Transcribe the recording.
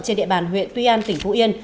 trên địa bàn huyện tuy an tỉnh phú yên